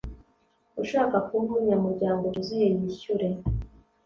ushaka kuba umunyamuryango byuzuye yishyure